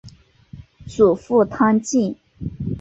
祖父汤敬。